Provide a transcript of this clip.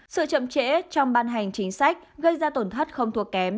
sự chậm trễ trong ban hành chính sách gây ra tổn thất không thuộc kém